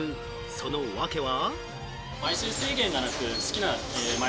その訳は？